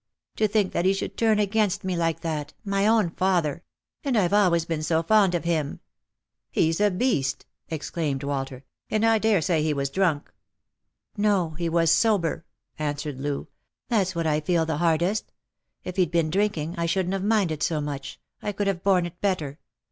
" To think that he should turn against me like that — my own father ! And I've always been so fond of him !" "He's a beast," exclaimed Walter; "and I daresay he was drunk." " No, he was sober," answered Loo ;" that's what I feel the hardest. If he'd been drinking, I shouldn't have minded so much ; I could have borne it better.